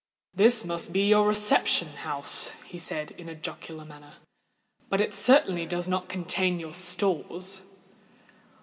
"This may be your reception house," he said, in a jocular manner; "but it certainly does not contain your stores."